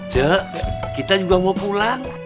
cek kita juga mau pulang